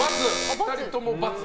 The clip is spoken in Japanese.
２人とも×。